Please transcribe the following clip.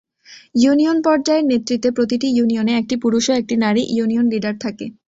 Union পর্যায়ের নেতৃত্বে, প্রতিটি ইউনিয়নে একটি পুরুষ ও একটি নারী ইউনিয়ন লিডার থাকে।